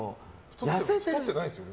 太ってないですよ？